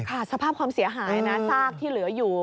สภาพความเสียหายนะซากที่เหลืออยู่